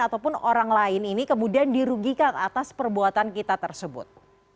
ataupun orang lain ini kemudian dirugikan atas perbuatan kita tersebut